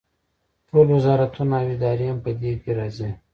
ټول وزارتونه او ادارې هم په دې کې راځي.